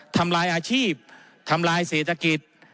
ทำลายอาชีพทำลายเศรษฐกิจ